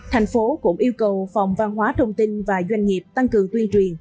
thành phố cũng yêu cầu phòng văn hóa thông tin và doanh nghiệp tăng cường tuyên truyền